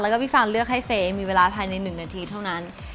แล้วก็พี่ฟางเลือกให้เฟย์มีเวลาภายใน๑นาทีเท่านั้น